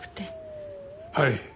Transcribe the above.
はい。